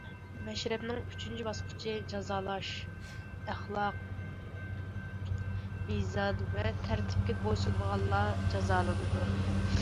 مەشرەپنىڭ ئۈچىنچى باسقۇچى جازالاش، ئەخلاق، مىزان ۋە تەرتىپكە بويسۇنمىغانلار جازالىنىدۇ.